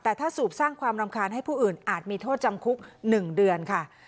แต่ถ้าสูบสร้างความรำคาญให้ผู้อื่นอาจมีโทษจำคุก๑เดือนค่ะ